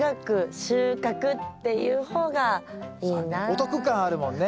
お得感あるもんね。